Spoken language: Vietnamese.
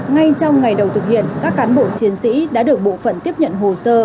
ngay trong ngày đầu thực hiện các cán bộ chiến sĩ đã được bộ phận tiếp nhận hồ sơ